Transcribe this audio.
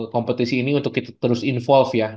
kompetisi ini untuk kita terus involve ya